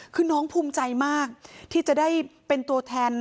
คือน้องภูมิใจมากที่จะได้เป็นตัวแทน